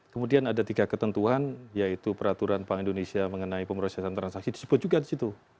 kemudian ada tiga ketentuan yaitu peraturan bank indonesia mengenai pemrosesan transaksi disebut juga di situ